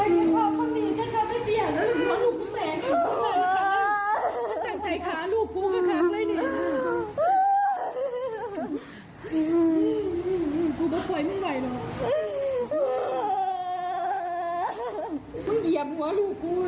ชั้นมีการการรับลือแข่งแค่หลักสีความเงินที่ซึ่ง